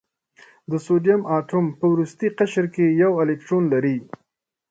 د سوډیم اتوم په وروستي قشر کې یو الکترون لري.